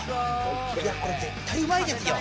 これ絶対うまいですよ。